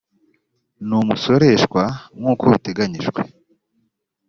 ni umusoreshwa nk’ uko biteganyijwe